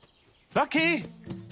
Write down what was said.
ラッキー！